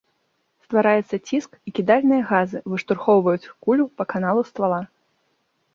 Ствараецца ціск і кідальныя газы выштурхоўваюць кулю па каналу ствала.